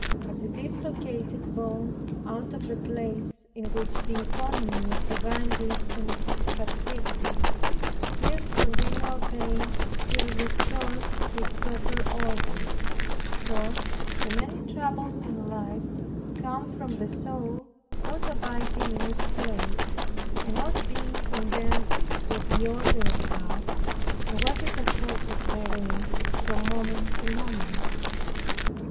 As a dislocated bone out of the place in which the economy of divine wisdom had fixed it, gives continual pain till restored to its proper order, so the many troubles in life come from the soul not abiding in its place, and not being content with the order of God, and what is afforded therein from moment to moment.